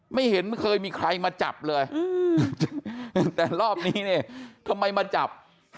ไม่เห็นเคยมีใครมาจับเลยแต่รอบนี้เนี่ยทำไมมาจับ